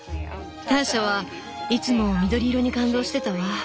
ターシャはいつも緑色に感動してたわ。